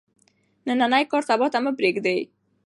نننی کار سبا ته مه پریږدئ.